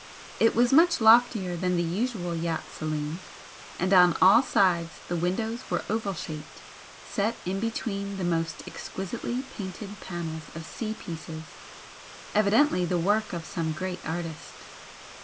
It was much loftier than the usual yacht saloon, and on all sides the windows were oval shaped, set in between the most exquisitely painted panels of sea pieces, evidently the work of some great artist.